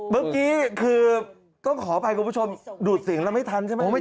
เมื่อกี้คือต้องขออภัยคุณผู้ชมดูดเสียงแล้วไม่ทันใช่ไหม